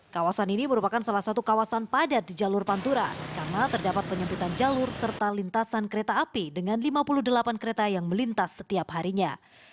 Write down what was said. kawasan ini merupakan salah satu kawasan padat di jalur pantura karena terdapat penyempitan jalur serta lintasan kereta api dengan lima puluh delapan kereta yang melintas setiap harinya